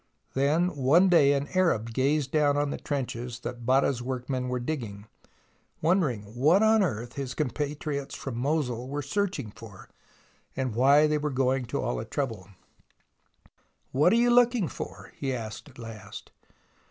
Then one day an Arab gazed down on the trenches that Botta's workmen were digging, wondering 126 THE ROMANCE OF EXCAVATION what on earth his compatriots from Mosul were searching for, and why they were going to all the trouble. " What are you looking for ?" he asked at last.